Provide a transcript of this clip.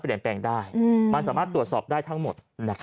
แปลงได้มันสามารถตรวจสอบได้ทั้งหมด